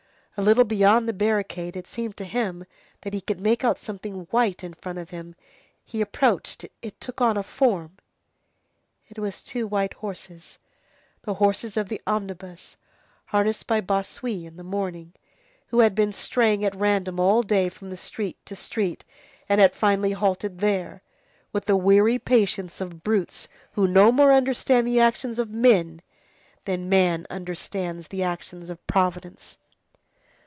A little beyond the barricade, it seemed to him that he could make out something white in front of him. He approached, it took on a form. It was two white horses; the horses of the omnibus harnessed by Bossuet in the morning, who had been straying at random all day from street to street, and had finally halted there, with the weary patience of brutes who no more understand the actions of men, than man understands the actions of Providence.